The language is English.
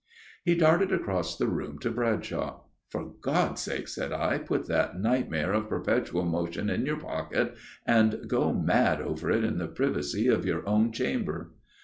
He darted across the room to Bradshaw. "For God's sake," said I, "put that nightmare of perpetual motion in your pocket and go mad over it in the privacy of your own chamber."